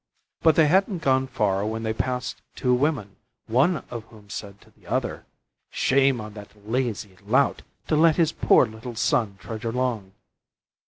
But they hadn't gone far when they passed two women, one of whom said to the other: "Shame on that lazy lout to let his poor little son trudge along."